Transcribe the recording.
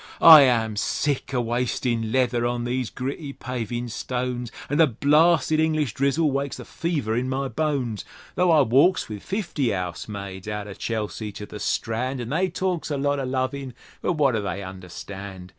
I am sick o' wastin' leather on these gritty pavin' stones, An' the blasted English drizzle wakes the fever in my bones; Tho' I walks with fifty 'ousemaids outer Chelsea to the Strand, An' they talks a lot o' lovin', but wot do they understand?